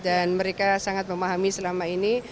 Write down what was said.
dan mereka sangat memahami selama ini